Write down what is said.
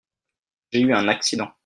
J'ai eu un accident.